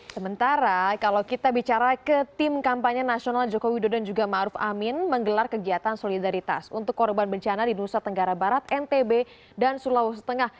sementara kalau kita bicara ke tim kampanye nasional jokowi dodo dan juga ⁇ maruf ⁇ amin menggelar kegiatan solidaritas untuk korban bencana di nusa tenggara barat ntb dan sulawesi tengah